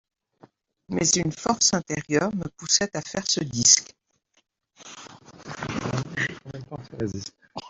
Mais une force intérieure me poussait à faire ce disque.